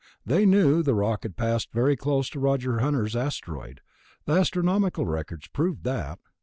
They knew the rock had passed very close to Roger Hunter's asteroid, the astronomical records proved that.